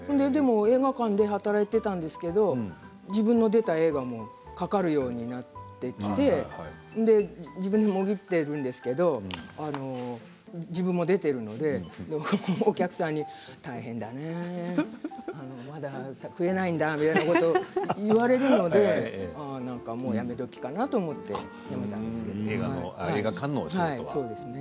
映画館で働いていたんですけど自分の出た映画もかかるようになってきて自分で、もぎっているんですけど自分も出ているのでお客さんに大変だね、まだ食えないんだということを言われているのでもうやめ時かなと思ってやめたんですけど。